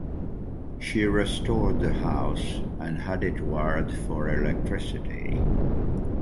She restored the house and had it wired for electricity.